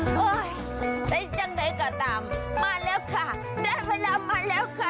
โธ่ได้จังได้นะต่ำมาแล้วค่ะได้เวลามาแล้วค่ะ